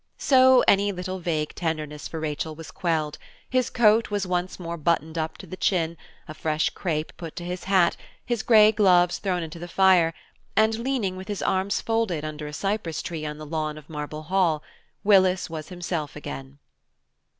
So any little vague tenderness for Rachel was quelled, his coat was once more buttoned up to the chin, a fresh crape put to his hat, his grey gloves thrown into the fire, and, leaning, with his arms folded, under a cypress tree on the lawn of Marble Hall, Willis was himself again.